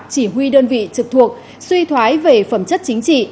chỉ huy đơn vị trực thuộc suy thoái về phẩm chất chính trị